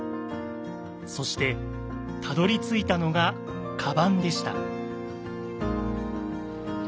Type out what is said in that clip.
そしてたどりついたのが「かばん」でした。